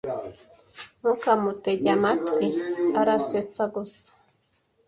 Ntukamutege amatwi. Arasetsa gusa.